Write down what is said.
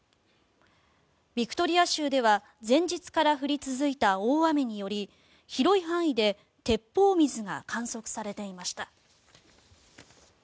ビクトリア州では前日から降り続いた大雨により広い範囲で鉄砲水が観測されていました。